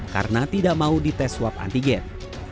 karena tidak mau dites swab antigen